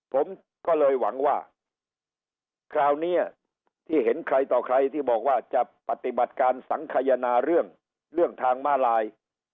ผมก็เลยหวังว่าคราวนี้ที่เห็นใครต่อใครที่บอกว่าจะปฏิบัติการสังขยนาเรื่องทางมาลาย